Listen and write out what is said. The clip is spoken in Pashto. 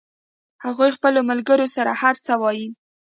هغوی خپلو ملګرو سره هر څه وایي